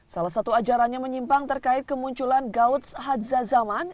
salah satu ajarannya menyimpang terkait kemunculan gautz hadzazaman